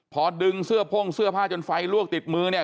พอดึงเสื้อพ่งเสื้อผ้าจนไฟลวกติดมือเนี่ย